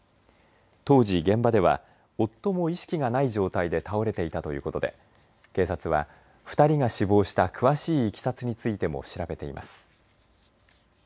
当時、現場では夫も意識がない状態で倒れていたということで警察は２人が死亡した詳しいいきさつについても調べています。